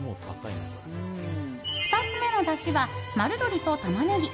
２つ目のだしは丸鶏とタマネギ。